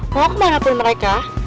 mau kemana pun mereka